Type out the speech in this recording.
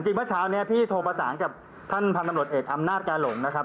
เมื่อเช้านี้พี่โทรประสานกับท่านพันธุ์ตำรวจเอกอำนาจกาหลงนะครับ